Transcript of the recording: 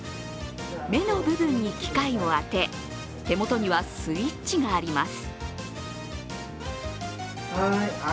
目の部分に機械を当て手元にはスイッチがあります。